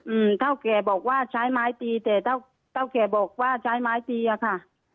อืมเท่าแก่บอกว่าใช้ไม้ตีแต่เท่าเท่าแก่บอกว่าใช้ไม้ตีอ่ะค่ะ